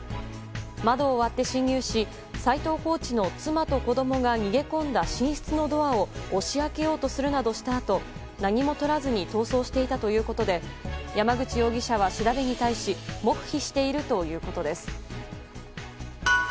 窓を割って侵入し斎藤コーチの妻と子供が逃げ込んだ寝室のドアを押し開けようとするなどしたあと何も取らずに逃走していたということで山口容疑者は調べに対し黙秘しているということです。